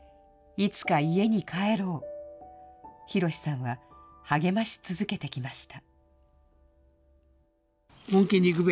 いつか家に帰ろう、寛さんは、励まし続けてきました。